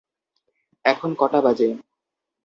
এখন কটা বাজে?